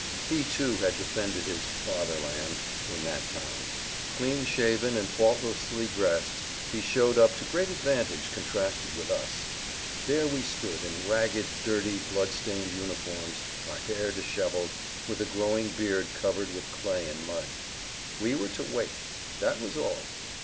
He, too, had defended his "Fatherland" in that town. Clean shaven and faultlessly dressed, he showed up to great advantage contrasted with us. There we stood in ragged, dirty, blood stained uniforms, our hair disheveled, with a growing beard covered with clay and mud. We were to wait. That was all.